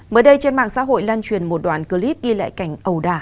mới đây trên mạng xã hội lan truyền một đoạn clip ghi lại cảnh ẩu đà